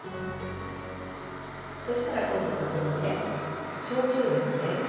そしたら今度ここにね焼酎ですね。